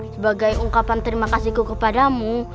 sebagai ungkapan terima kasih ku kepadamu